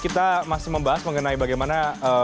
kita masih membahas mengenai bagaimana